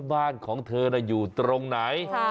บ้านของเธออยู่ตรงไหน